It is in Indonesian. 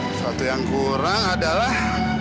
sesuatu yang kurang adalah